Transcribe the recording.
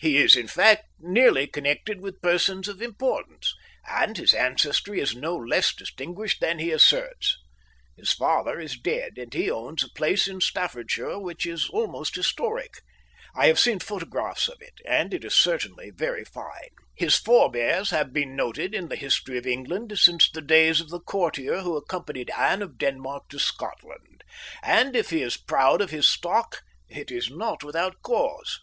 He is, in fact, nearly connected with persons of importance, and his ancestry is no less distinguished than he asserts. His father is dead, and he owns a place in Staffordshire which is almost historic. I have seen photographs of it, and it is certainly very fine. His forebears have been noted in the history of England since the days of the courtier who accompanied Anne of Denmark to Scotland, and, if he is proud of his stock, it is not without cause.